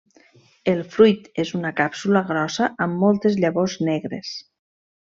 El fruit és una càpsula grossa amb moltes llavors negres.